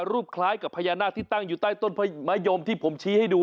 รูปคล้ายกับพยานาที่ตั้งต้นต้นมายมที่ผมชี้ให้ดู